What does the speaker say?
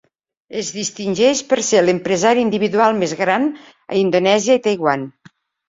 Es distingeix per ser l'empresari individual més gran a Indonèsia i Taiwan.